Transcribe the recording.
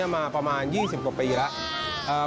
มาประมาณ๒๐กว่าปีแล้ว